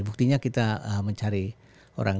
buktinya kita mencari orang